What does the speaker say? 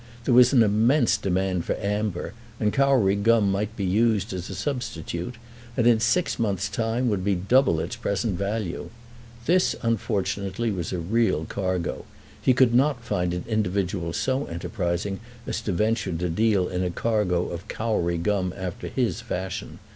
There was an immense demand for amber, and Kauri gum might be used as a substitute, and in six months' time would be double its present value. This unfortunately was a real cargo. He could not find an individual so enterprising as to venture to deal in a cargo of Kauri gum after his fashion.